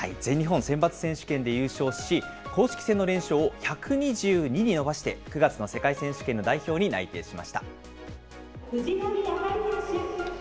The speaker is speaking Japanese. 全日本選抜選手権で優勝し、公式戦の連勝を１２２に伸ばして９月の世界選手権の代表に内定しました。